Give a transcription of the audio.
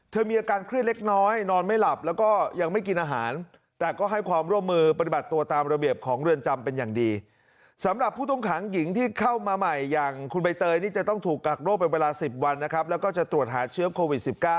เธอมีอาการเครื่องเล็กน้อยนอนไม่หลับแล้วก็ยังไม่กินอาหาร